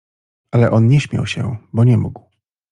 Ale on nie śmiał się, bo nie mógł.